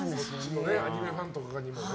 アニメファンとかにもね。